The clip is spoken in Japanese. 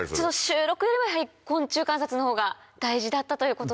収録よりやはり昆虫観察の方が大事だったということで。